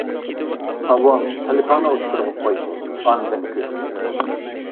ئاۋۋال تەلىپىڭنى ئوتتۇرىغا قوي، ئاندىن كۈت.